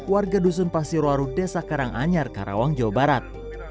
warga dusun pasirwaru desa karanganyar karawang jawa barat